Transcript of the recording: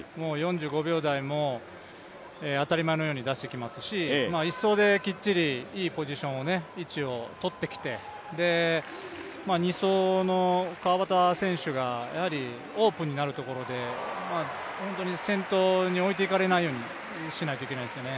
４５秒台も当たり前のように出してきますし１走できっちりいいポジションを取ってきて２走の川端選手がオープンになるところで本当に先頭に置いていかれないようにしなきゃいけないですね。